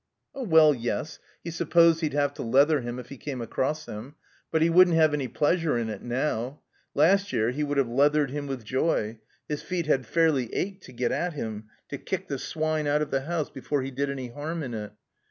Oh, well, yes, he supposed he'd have to leather him if he came across him. But he wouldn't have any pleasing in it — ^now. Last year he would have leathered him with joy; his feet had fairly ached to get at him, to kick the swine out of the house before he did any harm in it.